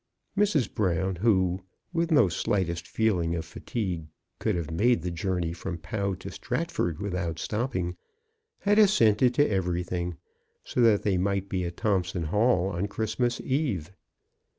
Mrs. Brown, who, with no slightest feeling of fatigue, could have made the journey from Pau to Stratford without stopping, had assented to everything, so that they might be at Thompson Hall on Christmas eve.